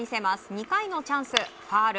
２回のチャンス。